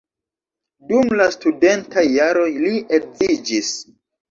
Dum la studentaj jaroj li edziĝis.